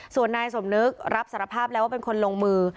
ส่วนนายสมนึกรับสารภาพแล้วว่าเป็นคนลงมือ